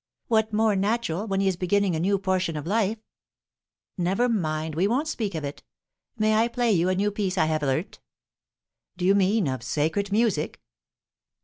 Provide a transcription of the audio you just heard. "What more natural, when he is beginning a new portion of life? Never mind; we won't speak of it. May I play you a new piece I have learnt?" "Do you mean, of sacred music?"